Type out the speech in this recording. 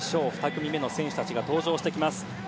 ２組目の選手たちが登場してきます。